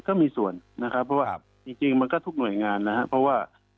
ก็มีส่วนนะครับเพราะว่าจริงมันก็ทุกหน่วยงานนะครับเพราะว่า